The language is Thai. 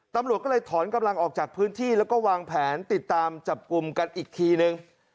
ตำรวจก็เลยถอนกำลังออกจากพื้นที่แล้วก็วางแผนติดตามจับกลุ่มกันอีกทีนึง